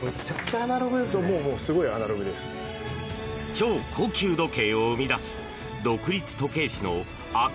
超高級時計を生み出す独立時計師のあく